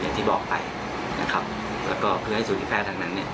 อย่างที่บอกไปนะครับแล้วก็เพื่อให้ศูนยแพทย์ทั้งนั้นเนี่ย